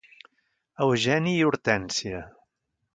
Eugeni i Hortènsia.